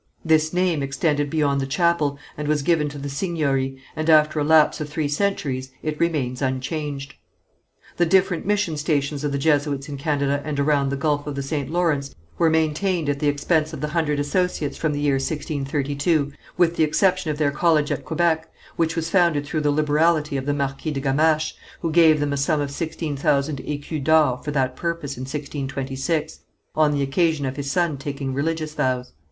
This name extended beyond the chapel, and was given to the seigniory, and after a lapse of three centuries, it remains unchanged. The different mission stations of the Jesuits in Canada and around the gulf of the St. Lawrence were maintained at the expense of the Hundred Associates from the year 1632, with the exception of their college at Quebec which was founded through the liberality of the Marquis de Gamache, who gave them a sum of sixteen thousand écus d'or for that purpose, in 1626, on the occasion of his son taking religious vows.